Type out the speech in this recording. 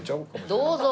どうぞ！